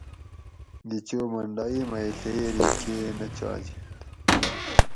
گِھیچو منڈائی مئی ڷِئیری کی نہ چاجنت